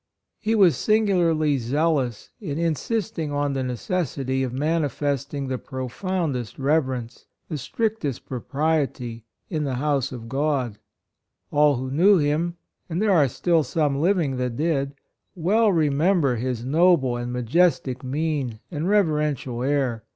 He was singularly zealous in in sisting on the necessity of mani festing the profoundest reverence, the strictest propriety in the hous^ of God. All who knew him (and there are still some living that did) well remember his noble and ma jestic mien and reverential air, 114 PASTORAL RELATIONS.